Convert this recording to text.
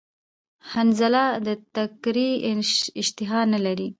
حنظله د تکری اشتها نلری